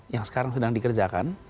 yang sekarang sedang dikerjakan